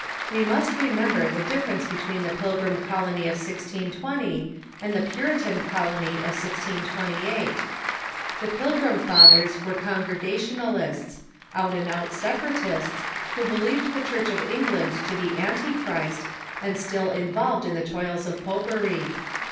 We must remember the difference between the Pil grim colony of 1620 and the Puritan colony of 1628. The THE ENGLISH COLONIZATION 445 Pilgrim Fathers were Congregation.ali^ts, out and out Sepa ratists, who believed tlie Churcli of England to be Antichrist, and still involved in the toils of popery.